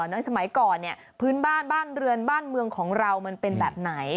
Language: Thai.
ในสมัยก่อนเนี่ยพื้นบ้านบ้านเรือนบ้านเมืองของเรามันเป็นแบบไหน